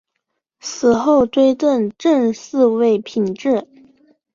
死后追赠正四位品秩。